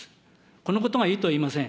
このことがいいとは言いません。